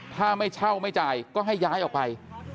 ถ้าไม่เช่าไม่จ่ายก็ให้ย้ายออกไป